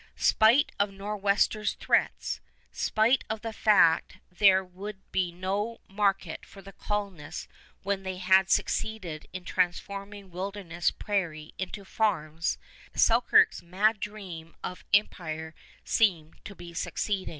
Spite of Nor'westers' threats, spite of the fact there would be no market for the colonists when they had succeeded in transforming wilderness prairie into farms, Selkirk's mad dream of empire seemed to be succeeding.